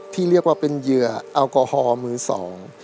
ที่เรียกว่าเป็นเหยื่อแอลกอฮอล์มือสอง